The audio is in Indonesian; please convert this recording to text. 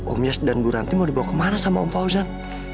omis dan bu ranti mau dibawa kemana sama om fauzan